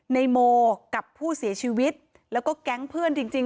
ในโมกับผู้เสียชีวิตแล้วก็แก๊งเพื่อนจริง